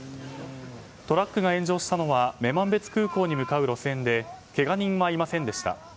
トラックが炎上したのは女満別空港に向かう路線でけが人はいませんでした。